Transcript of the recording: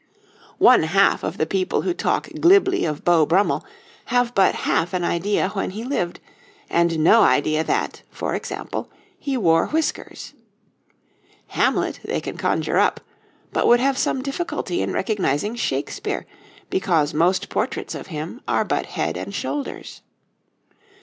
One half of the people who talk glibly of Beau Brummell have but half an idea when he lived, and no idea that, for example, he wore whiskers. Hamlet they can conjure up, but would have some difficulty in recognising Shakespeare, because most portraits of him are but head and shoulders.